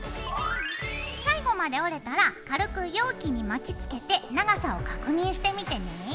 最後まで折れたら軽く容器に巻きつけて長さを確認してみてね。